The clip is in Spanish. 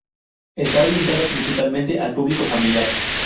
Está orientado principalmente al público familiar.